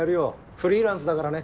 フリーランスだからね。